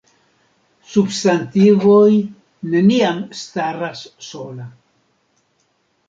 Substantivoj neniam staras sola.